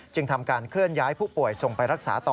ทำการเคลื่อนย้ายผู้ป่วยส่งไปรักษาต่อ